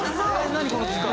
何？